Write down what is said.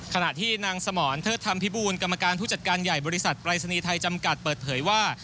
ขณะที่นางสมรเทิดธรรมพิบูลกรรมการผู้จัดการใหญ่บริษัทปรายศนีย์ไทยจำกัดเปิดเผยว่า